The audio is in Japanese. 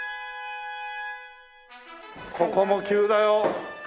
ここも急だよ。